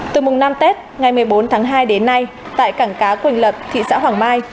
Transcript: từ mùng năm tết ngày một mươi bốn tháng hai đến nay tại cảng cá quỳnh lập thị xã hoàng mai